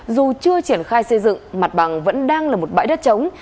dù chưa triển khai xây dựng mặt bằng vẫn đang là một bãi đất chống